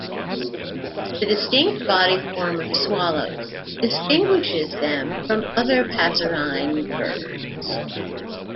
The distinct body form of swallows distinguishes them from other passerine birds.